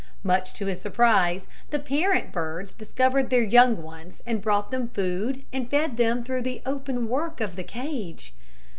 Much to his surprise the parent birds discovered their young ones and brought them food and fed them through the open work of the cage.